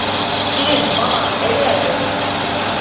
— Килен, балам, әйҙә әле.